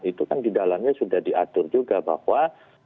itu kan di dalamnya sudah diatur juga bahwa